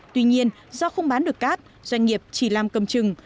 tuy nhiên do không bán được cát doanh nghiệp chỉ làm cầm chừng